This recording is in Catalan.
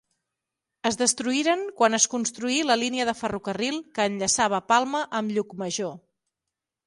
Es destruïren quan es construí la línia de ferrocarril que enllaçava Palma amb Llucmajor.